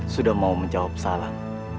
sudah mau menjawab salam